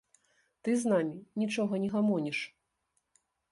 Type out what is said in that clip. Ты з намі нічога не гамоніш.